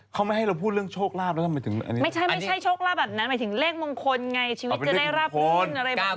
เขาไม่ให้เราพูดเรื่องโชคลาบแล้วไม่มีถึงโชคลาบแบบนั้น